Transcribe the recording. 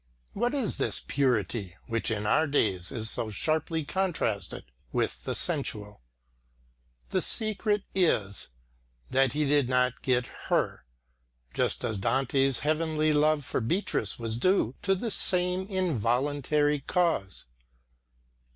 What is this "purity" which in our days is so sharply contrasted with the sensual? The secret is, that he did not get her; just as Dante's heavenly love for Beatrice was due to the same involuntary cause.